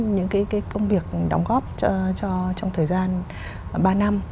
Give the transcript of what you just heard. những cái công việc đóng góp cho trong thời gian ba năm